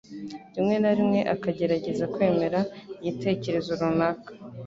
rimwe na rimwe akagerageza kwemera igitekerezo runaka